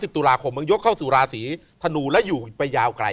๓๐ตุลาคมยกเข้าสู่ราศรีทะนูแล้วอยู่ไปยาวไกล